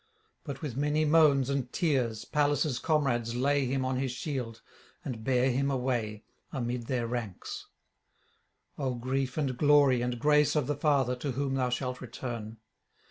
But with many moans and tears Pallas' comrades lay him on his shield and bear him away amid their ranks. O grief and glory and grace of the father to whom thou shalt return!